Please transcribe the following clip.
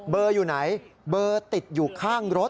อยู่ไหนเบอร์ติดอยู่ข้างรถ